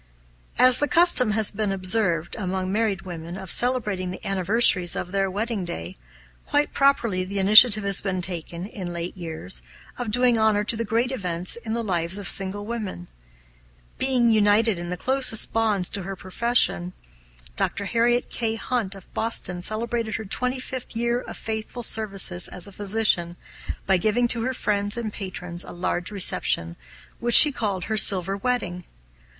As the custom has long been observed, among married women, of celebrating the anniversaries of their wedding day, quite properly the initiative has been taken, in late years, of doing honor to the great events in the lives of single women. Being united in closest bonds to her profession, Dr. Harriet K. Hunt of Boston celebrated her twenty fifth year of faithful services as a physician by giving to her friends and patrons a large reception, which she called her silver wedding.